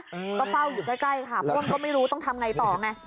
ก็เฝ้าอยู่ใกล้ใกล้ค่ะเพราะว่ามันก็ไม่รู้ต้องทำไงต่อไง